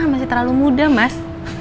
masih terlalu muda mas